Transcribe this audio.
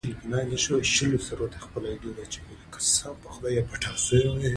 نني پروګرام ته ښه راغلاست.